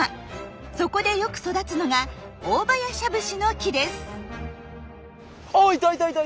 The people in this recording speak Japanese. そこでよく育つのがオオバヤシャブシの木です。